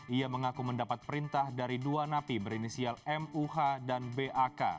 ia mengaku mendapat perintah dari dua napi berinisial muh dan bak